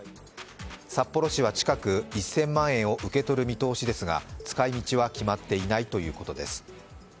札幌市は近く１０００万円を受け取る見通しですが、使い道は決まっていないということです。